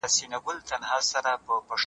که هلته بېهوده کارونه او منکرات وو.